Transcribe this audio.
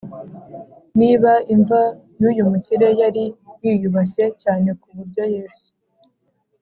” niba imva y’uyu mukire yari yiyubashye cyane ku buryo yesu